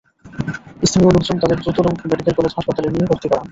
স্থানীয় লোকজন তাঁদের দ্রুত রংপুর মেডিকেল কলেজ হাসপাতালে নিয়ে ভর্তি করান।